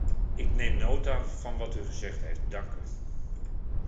Ik neem nota van wat u gezegd heeft, dank u.